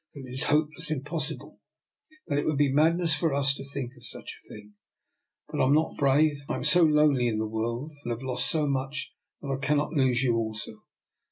That it is hopeless — ^impossible. That it would be madness for us to think of such a thing. But I am not brave. I am so lonely in the world, and have lost so much, that I cannot lose you also."